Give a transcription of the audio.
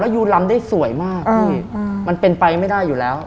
ยูลำได้สวยมากพี่มันเป็นไปไม่ได้อยู่แล้ว